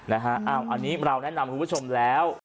อันนี้เราแนะนำคุณผู้ชมแล้ว